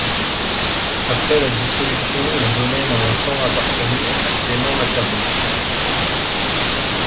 Après la dissolution, le domaine a un temps appartenu à Clément Metternich.